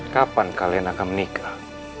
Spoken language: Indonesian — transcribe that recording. kapan kalian akan menikah